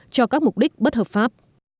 cho các mục đích bất hợp pháp